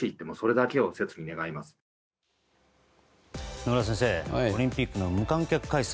野村先生、オリンピックは無観客開催。